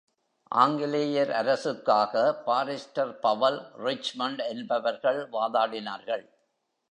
ஆங்கிலேயர் அரசுக்காக, barrister Powell, Richmond என்பவர்கள் வாதாடினார்கள்.